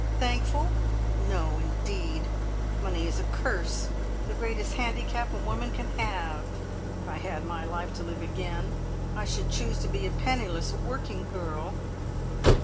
Thankful? No, indeed! Money is a curse. The greatest handicap a woman can have. If I had my life to live again, I should choose to be a penniless working girl!"